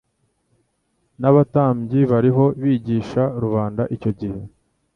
n'abatambyi bariho bigisha rubanda icyo gihe.